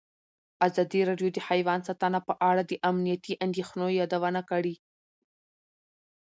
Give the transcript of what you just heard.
ازادي راډیو د حیوان ساتنه په اړه د امنیتي اندېښنو یادونه کړې.